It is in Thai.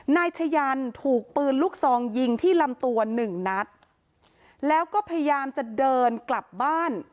นายชะยันถูกปืนลูกซองยิงที่ลำตัวหนึ่งนัดแล้วก็พยายามจะเดินกลับบ้าน